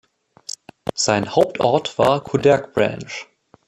Sein Hauptort war Coudekerque-Branche.